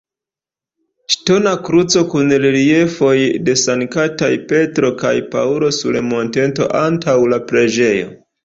Ŝtona kruco kun reliefoj de Sanktaj Petro kaj Paŭlo sur monteto antaŭ la preĝejo.